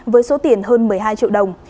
với số tiền hơn một mươi hai triệu đồng